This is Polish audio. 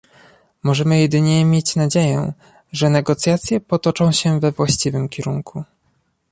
Możemy jedynie mieć nadzieję, że negocjacje potoczą się we właściwym kierunku